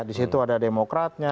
disitu ada demokratnya